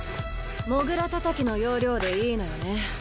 モグラたたきの要領でいいのよね？